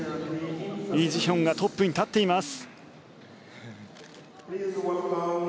イ・ジヒョンがトップに立っています。